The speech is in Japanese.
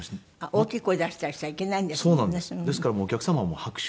大きい声出したりしちゃいけないんですもんね。